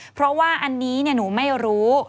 เพราะว่าอันนี้หนูไม่รู้